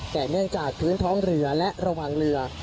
แต่เนื่องจากพื้นท้องเรือและระวังเรือ